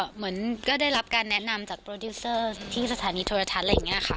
เหมือนก็ได้รับการแนะนำจากโปรดิวเซอร์ที่สถานีโทรทัศน์อะไรอย่างนี้ค่ะ